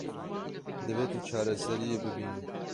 Divê tu çareseriyê bibînî.